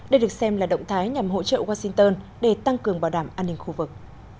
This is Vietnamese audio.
đây được xem là động thái nhằm hỗ trợ washington để tăng cường bảo đảm an ninh khu vực